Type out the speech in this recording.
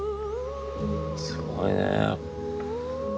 すごいね。